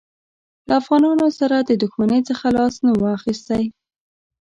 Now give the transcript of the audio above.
له افغانانو سره د دښمنۍ څخه لاس نه وو اخیستی.